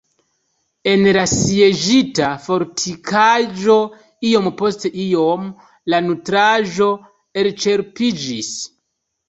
En la sieĝita fortikaĵo iom post iom la nutraĵo elĉerpiĝis.